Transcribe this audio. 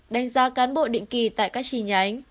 đánh giá cán bộ định kỳ tại các chi nhánh